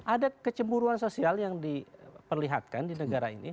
ada kecemburuan sosial yang diperlihatkan di negara ini